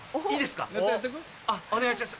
あっお願いします。